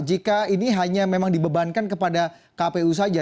jika ini hanya memang dibebankan kepada kpu saja